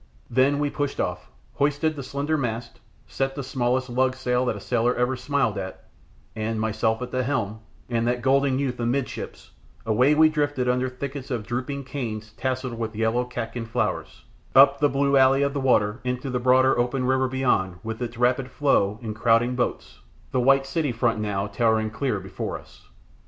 Then we pushed off, hoisted the slender mast, set the smallest lug sail that ever a sailor smiled at, and, myself at the helm, and that golden youth amidships, away we drifted under thickets of drooping canes tasselled with yellow catkin flowers, up the blue alley of the water into the broader open river beyond with its rapid flow and crowding boats, the white city front now towering clear before us.